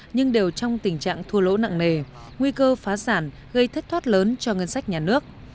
nhưng đều trong tình trạng thua lỗ nặng nề nguy cơ phá sản gây thất thoát lớn cho ngân sách nhà nước